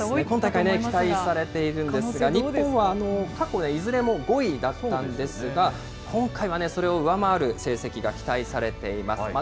今大会期待されているんですが、日本は過去いずれも５位だったんですが、今回はそれを上回る成績が期待されています。